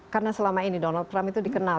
karena selama ini donald trump itu dikenal